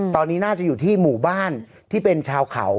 ตอนนี้น่าจะอยู่ที่หมู่บ้านที่เป็นชาวเขา